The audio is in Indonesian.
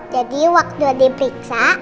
jadi waktu diperiksa